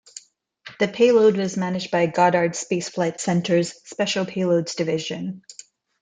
The payload was managed by Goddard Space Flight Center's Special Payloads Division.